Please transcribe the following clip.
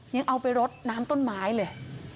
ยังเอาไปรดน้ำต้นไม้เลย